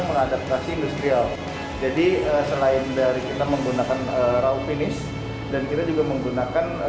mengadaptasi industrial jadi selain dari kita menggunakan rau finish dan kita juga menggunakan